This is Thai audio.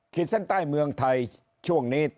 เส้นใต้เมืองไทยช่วงนี้